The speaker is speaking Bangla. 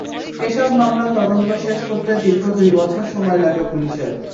এসব মামলার তদন্ত শেষ করতে দীর্ঘ দুই বছর সময় লাগে পুলিশের।